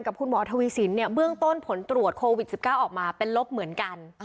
คุณหมอทวีสินเนี่ยเบื้องต้นผลตรวจโควิด๑๙ออกมาเป็นลบเหมือนกัน